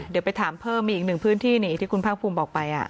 เดี๋ยวไปถามเพิ่มมีอีกหนึ่งพื้นที่นี่ที่คุณภาคภูมิบอกไป